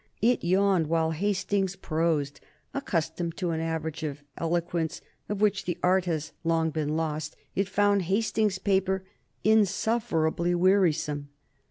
It yawned while Hastings prosed. Accustomed to an average of eloquence of which the art has long been lost, it found Hastings's paper insufferably wearisome.